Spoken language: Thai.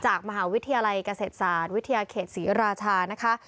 จากมหาวิทยาลัยเกษตรศาสตร์วิทยาเขตศรีราชานะคะ